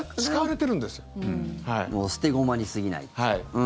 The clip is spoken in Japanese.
捨て駒に過ぎないと。